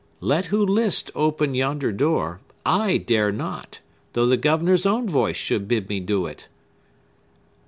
Let who list open yonder door; I dare not, though the governor's own voice should bid me do it!"